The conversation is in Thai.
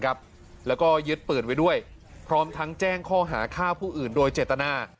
แล้วก็ยึดปืนไว้ด้วยพร้อมทั้งแจ้งข้อหาฆ่าผู้อื่นโดยเจตนา